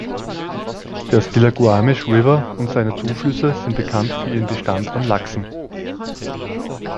Der Stillaguamish River und seine Zuflüsse sind bekannt für ihren Bestand an Lachsen.